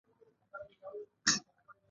په تورونو کي دي بند کړل زموږ سرونه